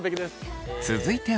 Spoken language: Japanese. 続いては。